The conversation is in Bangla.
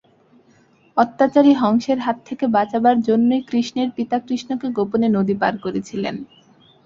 অত্যাচারী কংসের হাত থেকে বাঁচাবার জন্যই কৃষ্ণের পিতা কৃষ্ণকে গোপনে নদী পার করেছিলেন।